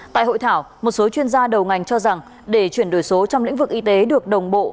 tại hội thảo một số chuyên gia đầu ngành cho rằng để chuyển đổi số trong lĩnh vực y tế được đồng bộ